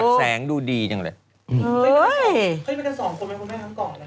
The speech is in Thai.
เคยไปกันสองคนไหมคุณแม่ทั้งเกาะอะไรไง